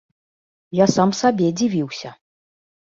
Я сам сабе дзівіўся.